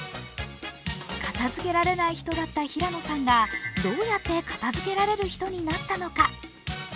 片づけられない人だった平野さんがどうやって片づけられる人になったのか。